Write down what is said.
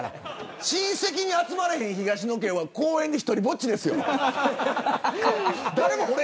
親戚に集まれへん東野家は公園で、独りぼっちですよ。